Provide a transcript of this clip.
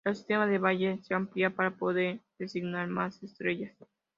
El sistema de Bayer se amplía para poder designar más estrellas.